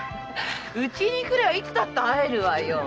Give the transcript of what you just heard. うちに来ればいつだって会えるわよ！